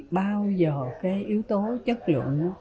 bao giờ cái yếu tố chất lượng